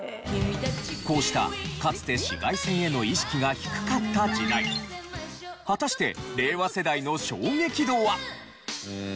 こうしたかつて紫外線への意識が低かった時代果たして令和世代の衝撃度は？